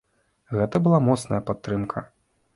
Гэта была моцная падтрымка.